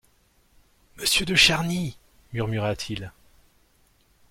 Monsieur de Charny ! murmura-t-il.